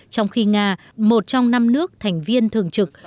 trong khi nga một trong năm nước thành viên thường trực